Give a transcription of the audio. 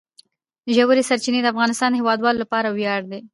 ژورې سرچینې د افغانستان د هیوادوالو لپاره ویاړ دی.